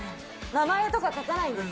名前とか書かないんです。